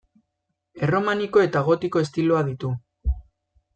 Erromaniko eta gotiko estiloa ditu.